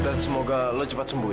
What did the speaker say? dan semoga lo cepat sembuh ya